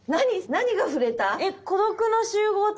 何が触れた？